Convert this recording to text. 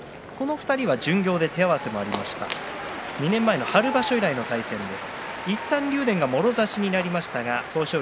巡業で手合わせがありましたが２年前の春場所以来の対戦です。